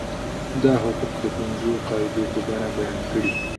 دا حقوق د پنځو قاعدو په بڼه بیان کیږي.